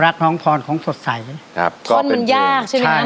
รักน้องพรของสดใสไหมครับท่อนมันยากใช่ไหมคะ